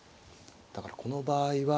だからこの場合は。